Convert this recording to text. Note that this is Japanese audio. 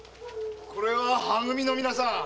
これは「は組」のみなさん。